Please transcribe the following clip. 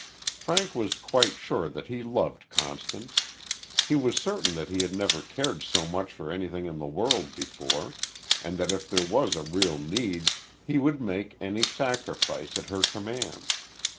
Frank was quite sure that he loved Constance. He was certain that he had never cared so much for anything in the world before, and that if there was a real need he would make any sacrifice at her command.